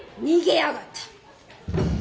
逃げやがった。